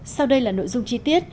sau đây là nội dung chi tiết